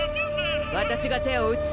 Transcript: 私が手を打つ。